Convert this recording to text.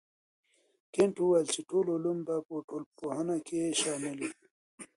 کنت وويل چي ټول علوم به په ټولنپوهنه کي شامل وي.